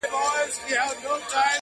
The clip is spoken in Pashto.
د یوې ورځي لګښت خواست یې ترې وکړ!!